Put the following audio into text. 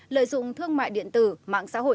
lợi dụng thương mại điện tử mạng xã hội